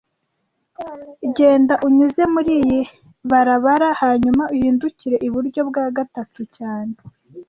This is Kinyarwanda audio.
Genda unyuze muriyi barabara hanyuma uhindukire iburyo bwa gatatu cyane